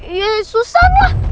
ih susan lah